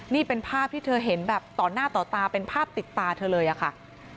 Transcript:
นี่เป็นภาพที่เธอเห็นแบบต่อหน้าต่อตาเป็นภาพติดตาเธอเลยอะค่ะ